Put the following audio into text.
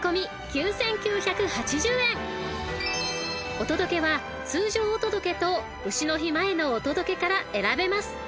［お届けは通常お届けと丑の日前のお届けから選べます］